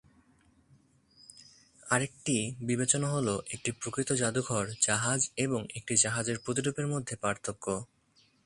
আরেকটি বিবেচনা হল একটি "প্রকৃত" জাদুঘর জাহাজ এবং একটি জাহাজের প্রতিরূপের মধ্যে পার্থক্য।